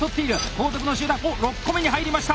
後続の集団おっ６個目に入りました。